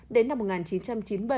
đến năm một nghìn chín trăm chín mươi bảy